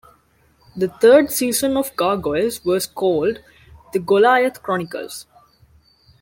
The third season of Gargoyles was called "The Goliath Chronicles".